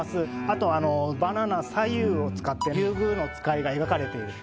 あとバナナ左右を使ってリュウグウノツカイが描かれている。